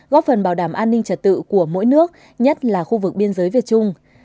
góp phần bảo đảm an ninh trật tự của mỗi nước nhất là khu vực biên giới việt trung